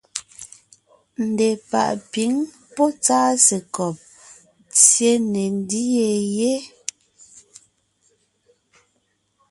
Ndepàʼ pǐŋ pɔ́ tsásekɔb tsyé ne ńdyê yé.